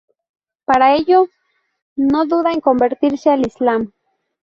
Para ello, no duda en convertirse al islam.